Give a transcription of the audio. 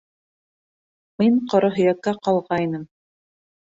Мин ҡоро һөйәккә ҡалғайным